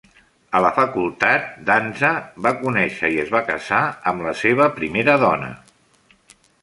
A la facultat, Danza va conèixer i es va casar amb la seva primera dona.